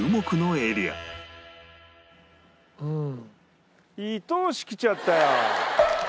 うん。